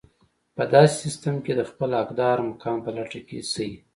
په داسې سيستم کې د خپل حقدار مقام په لټه کې شئ.